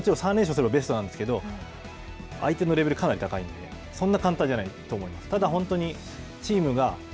もちろん３連勝すればベストなんですけど、相手のレベルは、かなり高いんで、そんなに簡単じゃないと思います。